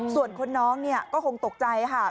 ส่วนคนน้องคงตกใจอะค่ะ